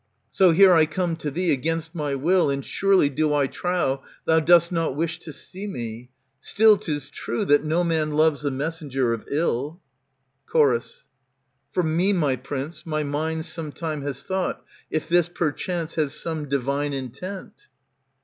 So here I come to thee Against my will ; and surely do I trow Thou dost not wish to see me. Still 'tis true That no man loves the messenger of ill. Chor. For me, my prince, my mind some time has thought If this perchance has some divine intent.